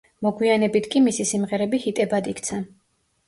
მოგვიანებით კი მისი სიმღერები ჰიტებად იქცა.